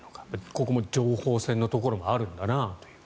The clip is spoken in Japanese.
ここも情報戦のところもあるんだなと。